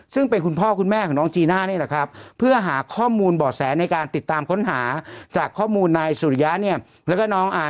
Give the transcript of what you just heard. ซึ่งเป็นคุณพ่อคุณแม่ของน้องจีน่านี่แหละครับเพื่อหาข้อมูลบ่อแสในการติดตามค้นหาจากข้อมูลนายสุริยะเนี่ยแล้วก็น้องอาร์